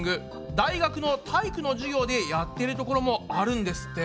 大学の体育の授業でやってるところもあるんですって。